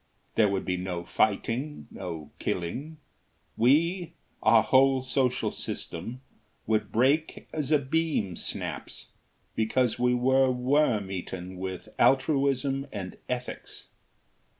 There would be no fighting, no killing; we our whole social system would break as a beam snaps, because we were worm eaten with altruism and ethics.